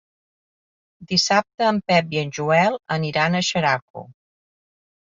Dissabte en Pep i en Joel aniran a Xeraco.